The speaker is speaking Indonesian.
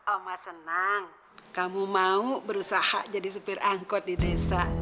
oma senang kamu mau berusaha jadi supir angkot di desa